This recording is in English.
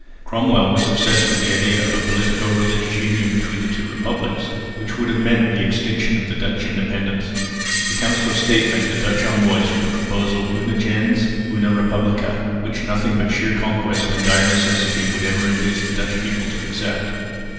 Cromwell was obsessed with the idea of a politico religious union between the two republics, which would have meant the extinction of Dutch independence. The Council of State met the Dutch envoys with the proposal una gens, una respublica, which nothing but sheer conquest and dire necessity would ever induce the Dutch people to accept.